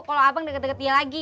kalau abang deket deket dia lagi